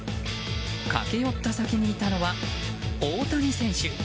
駆け寄った先にいたのは大谷選手。